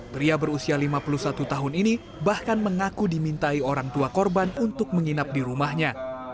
pria berusia lima puluh satu tahun ini bahkan mengaku dimintai orang tua korban untuk menginap di rumahnya